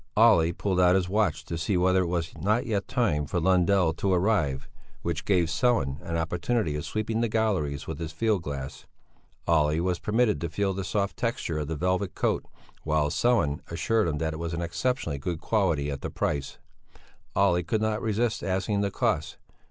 Olle pulled out his watch to see whether it was not yet time for Lundell to arrive, which gave Sellén an opportunity of sweeping the galleries with his field glass. Olle was permitted to feel the soft texture of the velvet coat, while Sellén assured him that it was an exceptionally good quality at the price; Olle could not resist asking the cost.